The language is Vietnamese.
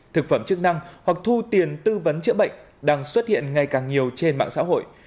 thực phẩm chức năng hoặc thu tiền tư vấn chữa bệnh đang xuất hiện ngày càng nhiều trên mạng xã hội